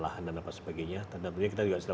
lahan dan apa sebagainya tentunya kita juga